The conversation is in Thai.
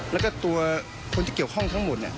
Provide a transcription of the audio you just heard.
แล้วก็ตัวคนที่เกี่ยวข้องทั้งหมด